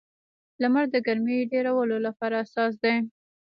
لمر د ګرمۍ ډېرولو لپاره اساس دی.